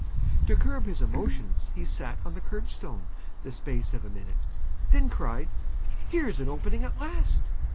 To curb his emotions, he sat On the curbstone the space of a minute, Then cried, "Here's an opening at last!"